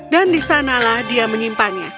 dan disanalah dia menyimpannya